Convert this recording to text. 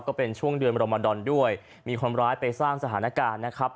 ก็เป็นช่วงเดือนรมดอนด้วยมีคนร้ายไปสร้างสถานการณ์นะครับ